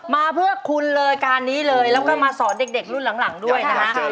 มาเพื่อคุณเลยการนี้เลยแล้วก็มาสอนเด็กรุ่นหลังด้วยนะฮะ